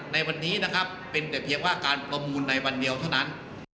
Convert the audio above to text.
ในวันนี้นะครับเป็นแต่เพียงว่าการประมูลในวันเดียวเท่านั้น